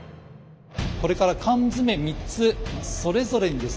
これから缶詰３つそれぞれにですね